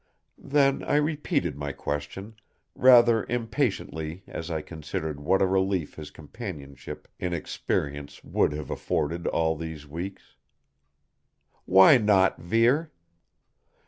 Then I repeated my question, rather impatiently as I considered what a relief his companionship in experience would have afforded all these weeks. "Why not, Vere?"